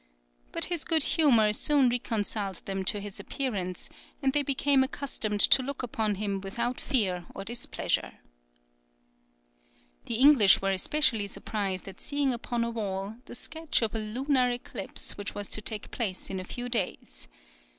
But his good humour soon reconciled them to his appearance, and they became accustomed to look upon him without fear or displeasure. The English were especially surprised at seeing upon a wall the sketch of a lunar eclipse which was to take place in a few days.